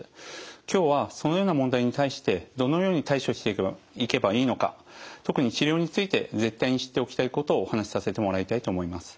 今日はそのような問題に対してどのように対処していけばいいのか特に治療について絶対に知っておきたいことをお話しさせてもらいたいと思います。